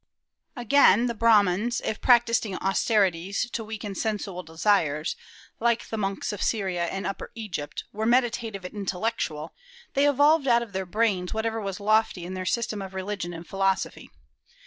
Again, the Brahmans, if practising austerities to weaken sensual desires, like the monks of Syria and Upper Egypt, were meditative and intellectual; they evolved out of their brains whatever was lofty in their system of religion and philosophy.